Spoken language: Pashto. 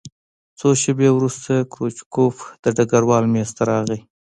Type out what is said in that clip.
څو شېبې وروسته کروچکوف د ډګروال مېز ته راغی